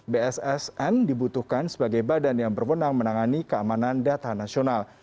bssn dibutuhkan sebagai badan yang berwenang menangani keamanan data nasional